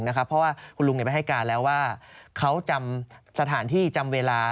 เพราะว่าคุณลุงไปให้การแล้วว่าเขาจำสถานที่จำเวลา